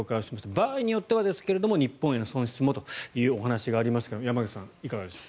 場合によってはですが日本への損失もということですが山口さん、いかがでしょう。